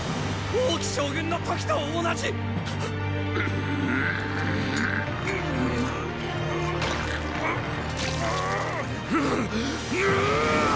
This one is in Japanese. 王騎将軍の時と同じっ。っ！ぐっ！